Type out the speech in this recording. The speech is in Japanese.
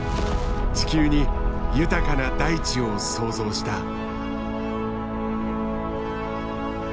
地球に豊かな大地を創造した。